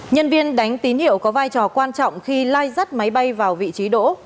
nhân viên đánh tín hiệu có vai trò quan trọng khi lai rắt máy bay vào vị trí đỗ